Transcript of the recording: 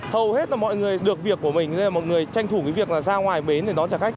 hầu hết là mọi người được việc của mình nên là mọi người tranh thủ cái việc là ra ngoài bến để đón trả khách